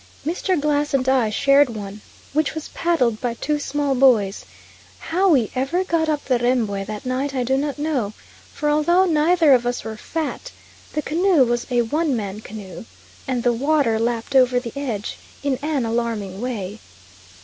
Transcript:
Mr. Glass and I shared one, which was paddled by two small boys; how we ever got up the Rembwe that night I do not know, for although neither of us were fat, the canoe was a one man canoe, and the water lapped over the edge in an alarming way.